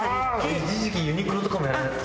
一時期ユニクロとかもやられてた？